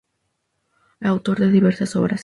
Autor de diversas obras.